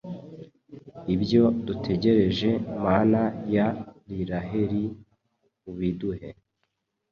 Ibyo dutegereje Mana ya Iiraheli, ubiduhe